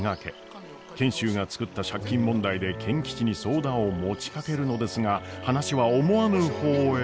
賢秀が作った借金問題で賢吉に相談を持ちかけるのですが話は思わぬ方へ。